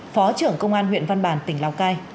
phó trưởng công an huyện văn bàn tỉnh lào cai